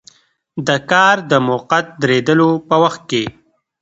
د کار د موقت دریدلو په وخت کې.